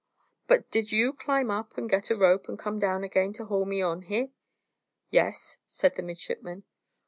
"But did you climb up and get a rope, and come down again and haul me on here?" "Yes," said the midshipman.